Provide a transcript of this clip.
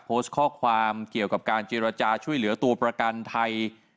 โพสต์ข้อความเกี่ยวกับการเจรจาช่วยเหลือตัวประกันไทย